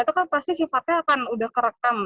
itu kan pasti sifatnya akan udah kerekam